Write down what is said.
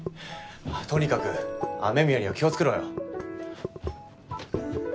とにかく雨宮には気をつけろよ！